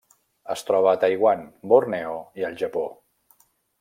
Es troba a Taiwan, Borneo i el Japó.